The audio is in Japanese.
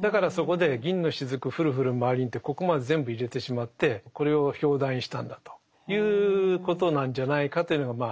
だからそこで「銀の滴降る降るまわりに」ってここまで全部入れてしまってこれを表題にしたんだということなんじゃないかというのがまあ